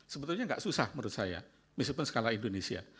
sebetulnya nggak susah menurut saya meskipun skala indonesia